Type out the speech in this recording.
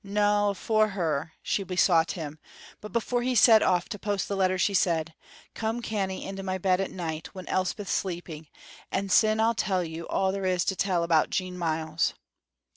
"No' afore her," she besought him; but before he set off to post the letter she said: "Come canny into my bed the night, when Elspeth 's sleeping, and syne I'll tell you all there is to tell about Jean Myles."